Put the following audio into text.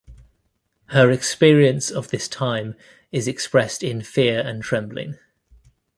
Her experience of this time, is expressed in "Fear and Trembling".